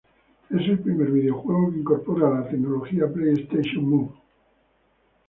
Es el primer videojuego que incorpora la tecnología PlayStation Move.